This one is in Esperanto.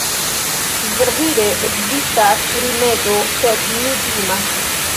verdire ekzistas rimedo, sed mi timas.